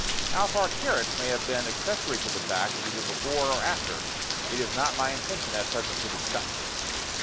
How far Carrots may have been accessory to the fact either before or after it is not my intention at present to discuss.